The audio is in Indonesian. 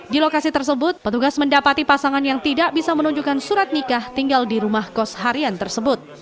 di lokasi tersebut petugas mendapati pasangan yang tidak bisa menunjukkan surat nikah tinggal di rumah kos harian tersebut